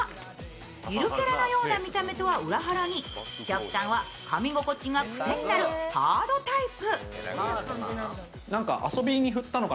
ゆるキャラのような見た目とは裏腹に食感はかみ心地が癖になるハードタイプ。